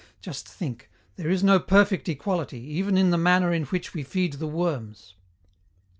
Just think, there is no perfect equality, even in the manner in which we feed the worms.